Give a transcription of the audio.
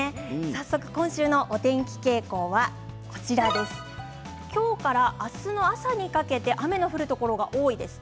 早速、今週のお天気傾向は今日から明日の朝にかけて雨の降るところが多いです。